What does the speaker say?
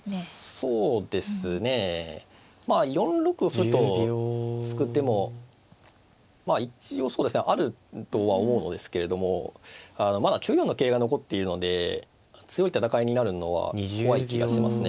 そうですねまあ４六歩と突く手もまあ一応あるとは思うのですけれどもまだ９四の桂が残っているので強い戦いになるのは怖い気がしますね。